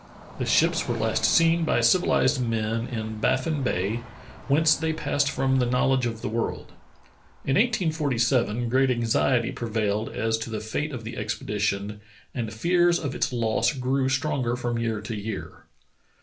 The ships w^ere last seen by civiUzed men in Baffin Bay, whence they passed from the knowl edge of the world. In 1847 great anxiety prevailed as to the fate of the expedition, and fears of its loss grew stronger from year to year.